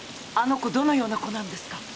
あの子どのような子なんですか？